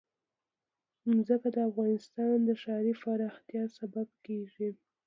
ځمکه د افغانستان د ښاري پراختیا سبب کېږي.